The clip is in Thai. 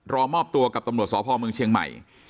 รอมอบตัวกับตำรวจสพเมืองเชียงใหม่